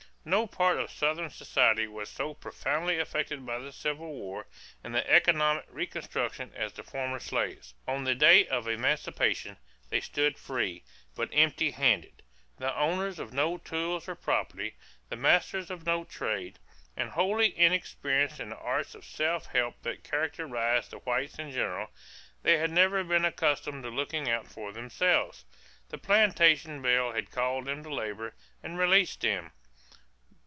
= No part of Southern society was so profoundly affected by the Civil War and economic reconstruction as the former slaves. On the day of emancipation, they stood free, but empty handed, the owners of no tools or property, the masters of no trade and wholly inexperienced in the arts of self help that characterized the whites in general. They had never been accustomed to looking out for themselves. The plantation bell had called them to labor and released them.